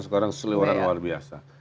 sekarang seluar yang luar biasa